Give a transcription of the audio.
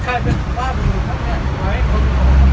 อะไรก็รำคาญกับพวกมันขาดของเรา